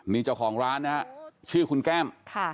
นี่เจ้าของร้านนะฮะชื่อคุณแก้ม